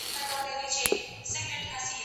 زه اجازه لرم چي منډه ووهم،